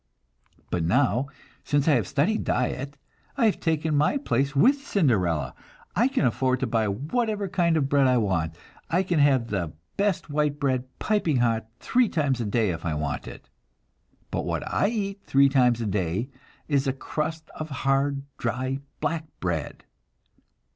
But now since I have studied diet, I have taken my place with Cinderella. I can afford to buy whatever kind of bread I want; I can have the best white bread, piping hot, three times a day, if I want it; but what I eat three times a day is a crust of hard dry "black bread."